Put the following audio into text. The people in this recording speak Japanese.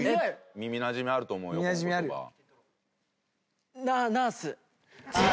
耳なじみあると思うよこの言葉。